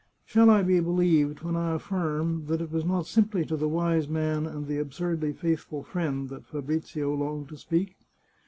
Shall I be believed when I affirm that it was not simply to the wise man and the absolutely faithful friend that Fabrizio longed to speak?